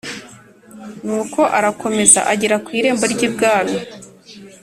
nuko arakomeza agera ku irembo ry’ibwami,